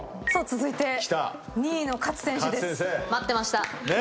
続いて２位の勝選手です。